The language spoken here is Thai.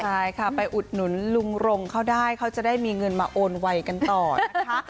ใช่ค่ะไปอุดหนุนลุงรงเขาได้เขาจะได้มีเงินมาโอนไวกันต่อนะคะ